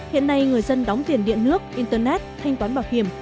hiện nay người dân đóng tiền điện nước internet thanh toán bảo hiểm